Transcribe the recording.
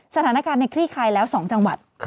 สถานการณ์ในคลี่คลายแล้ว๒จังหวัด